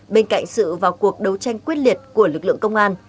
bên cạnh sự vào cuộc đấu tranh quyết liệt của lực lượng công an